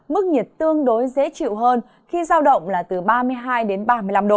mức nhiệt tương đối dễ chịu hơn khi giao động là từ ba mươi hai đến ba mươi năm độ